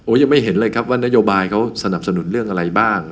ยังไม่เห็นเลยครับว่านโยบายเขาสนับสนุนเรื่องอะไรบ้าง